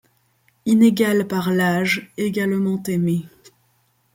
Inégales par l'âge, également aimées